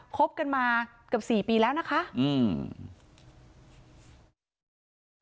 คบกันมาเกือบสี่ปีแล้วนะคะอืม